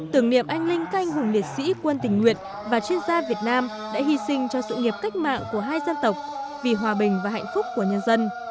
tưởng niệm anh linh canh hùng liệt sĩ quân tình nguyện và chuyên gia việt nam đã hy sinh cho sự nghiệp cách mạng của hai dân tộc vì hòa bình và hạnh phúc của nhân dân